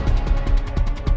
tante itu sudah berubah